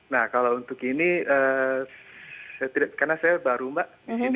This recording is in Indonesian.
nah kalau untuk ini karena saya baru mbak